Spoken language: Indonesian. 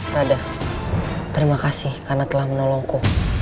rada terima kasih karena telah menolongku